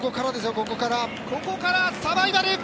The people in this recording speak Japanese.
ここから、サバイバル！